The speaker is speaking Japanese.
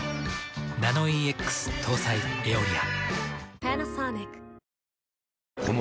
ナノイーＸ搭載「エオリア」。